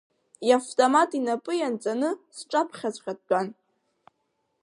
Иавтомат инапы ианҵаны сҿаԥхьаҵәҟьа дтәан.